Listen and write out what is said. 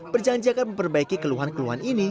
berjanji akan memperbaiki keluhan keluhan ini